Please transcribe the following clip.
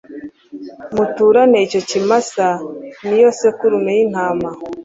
muturane n icyo kimasa n iyo sekurume y intama